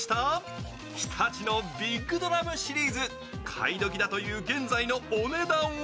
買い時だという現在のお値段は？